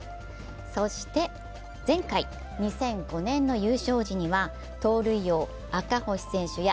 そして、前回２００５年の優勝時には盗塁王・赤星選手や